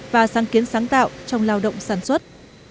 và sáng kiến sáng tạo trong lao động sản xuất